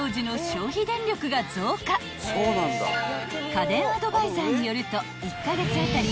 ［家電アドバイザーによると１カ月当たり